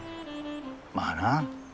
まあな。